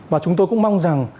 và chúng tôi cũng mong rằng